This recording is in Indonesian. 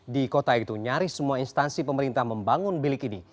di kota itu nyaris semua instansi pemerintah membangun bilik ini